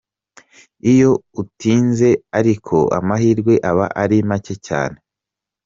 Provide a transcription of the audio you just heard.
Iyo utinze ariko amahirwe aba ari make cyane.